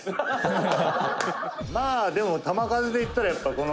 「まあでも玉数でいったらやっぱこの」